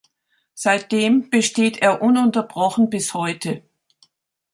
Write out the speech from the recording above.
Seitdem besteht er ununterbrochen bis heute.